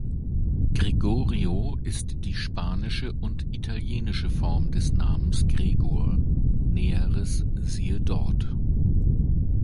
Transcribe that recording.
Gregorio ist die spanische und italienische Form des Namens Gregor; Näheres siehe dort.